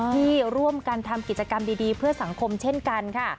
ที่ร่วมกันทำกิจกรรมดีเพื่อสังคมเช่นกันค่ะ